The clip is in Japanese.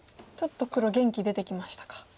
ちょっと黒元気出てきましたか。